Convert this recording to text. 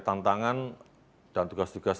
tantangan dan tugas tugas